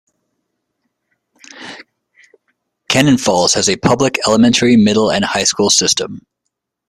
Cannon Falls has a public elementary, middle, and high school system.